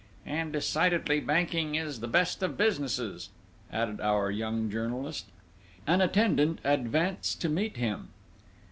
"And decidedly banking is the best of businesses!" added our young journalist. An attendant advanced to meet him.